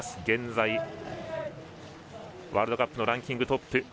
現在ワールドカップのランキングトップ。